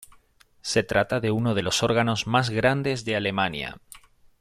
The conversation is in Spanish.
Se trata de uno de los órganos más grandes de Alemania.